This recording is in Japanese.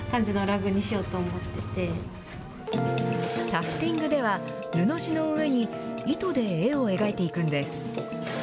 タフティングでは、布地の上に糸で絵を描いていくんです。